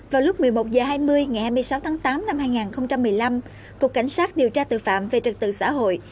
vào lúc một mươi một h hai mươi ngày hai mươi sáu tháng tám năm hai nghìn một mươi năm cục cảnh sát điều tra tội phạm về trật tự xã hội